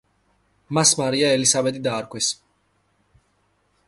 მას მარია ელისაბედი დაარქვეს.